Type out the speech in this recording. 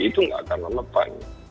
itu tidak akan relevan